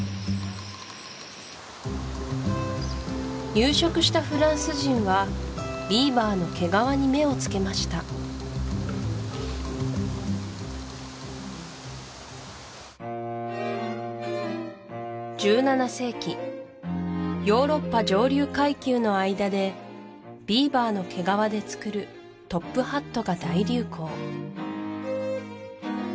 入植したフランス人はビーバーの毛皮に目をつけました１７世紀ヨーロッパ上流階級の間でビーバーの毛皮で作るトップハットが大流行